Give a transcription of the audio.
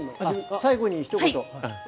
最後にひと言。